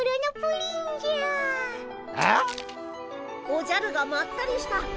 おじゃるがまったりした。